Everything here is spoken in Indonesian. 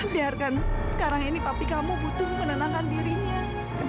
biarkan sekarang ini tapi kamu butuh menenangkan dirinya